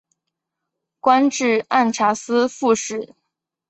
官至按察司副使。